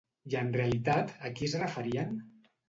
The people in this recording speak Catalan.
I en realitat a qui es referien?